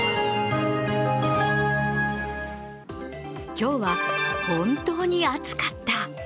今日は本当に暑かった。